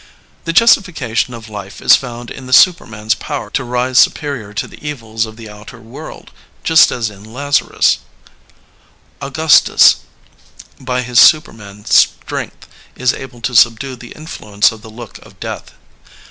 The justification of life is found in the superman's power to rise superior to the evils of the outer world, just as in Lazarus, Augustus, by his superman strength, is able to subdue the influence of the look of death.